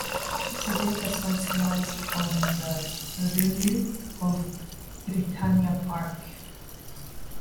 Today, the site lies on the purlieu of Britannia Park.